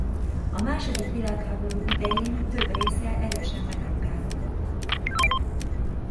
A második világháború idején több része erősen megrongálódott.